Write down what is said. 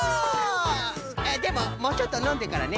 あっでももうちょっとのんでからね。